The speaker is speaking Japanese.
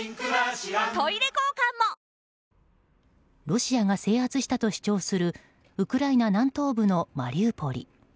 ロシアが制圧したと主張するウクライナ南東部のマリウポリ。